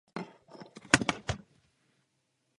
Na všech třech šampionátech však neprošel sítem kvalifikace.